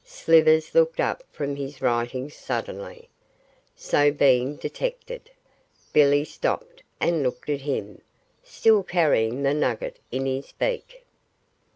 Slivers looked up from his writing suddenly: so, being detected, Billy stopped and looked at him, still carrying the nugget in his beak.